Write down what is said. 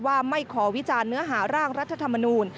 ไม่ขอวิจารณ์เนื้อหาร่างรัฐธรรมนูล